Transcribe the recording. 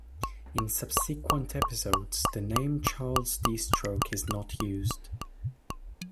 In subsequent episodes, the name Charles D. Stroke is not used.